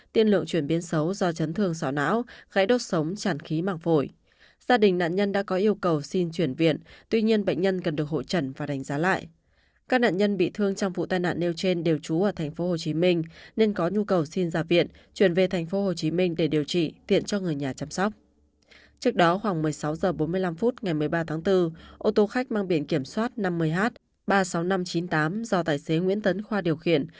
trước đó khoảng một mươi sáu h bốn mươi năm ngày một mươi ba tháng bốn ô tô khách mang biển kiểm soát năm mươi h ba mươi sáu nghìn năm trăm chín mươi tám do tài xế nguyễn tấn khoa điều khiển